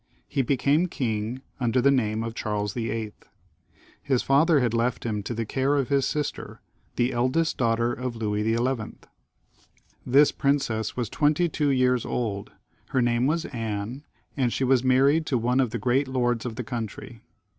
He became king under the name of Charles VIII. His father had left him to the care of his sister, the eldest daughter of Louis XL This princess was twenty i^wo years old ; her name was Anne, and she was married to one of the great lords of the coun try.